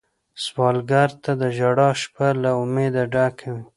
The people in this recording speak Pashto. سوالګر ته د ژړا شپه له امید ډکه وي